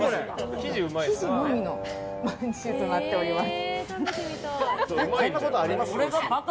生地のみのまんじゅうとなっております。